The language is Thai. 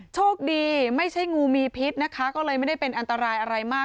โชคดีไม่ใช่งูมีพิษนะคะก็เลยไม่ได้เป็นอันตรายอะไรมาก